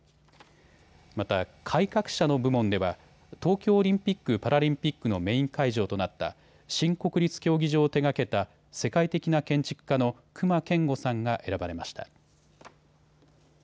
また、改革者の部門では東京オリンピック・パラリンピックのメイン会場となった新国立競技場を手がけた世界的な建築家の隈研吾さんが選ばれました。